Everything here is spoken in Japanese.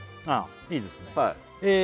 ああいいですね